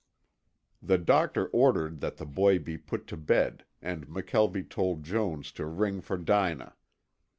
The doctor ordered that the boy be put to bed, and McKelvie told Jones to ring for Dinah.